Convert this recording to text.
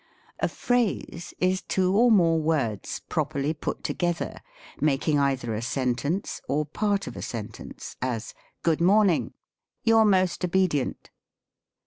A phrase is two or more words properly put together, making either a sentence or part of a sentence : as, *' Good moi ning !"" Your most obedient